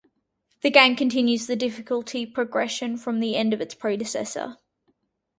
The game continues the difficulty progression from the end of its predecessor.